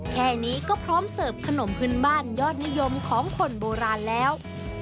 แค่นี้ก็พร้อมเสิร์ฟขนมพื้นบ้านยอดนิยมของคนโบราณแล้ว